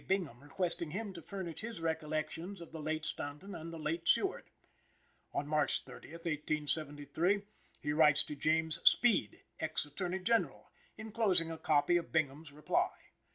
Bingham, requesting him to furnish his recollections of the late Stanton and the late Seward. On March 30th, 1873, he writes to James Speed, Ex Attorney General, inclosing a copy of Bingham's reply.